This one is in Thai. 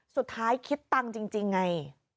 สุดท้ายคิดตังค์จริงไง